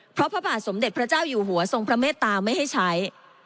เพราะพระบาทสมเด็จพระเจ้าอยู่หัวทรงพระเมตตาไม่ให้ใช้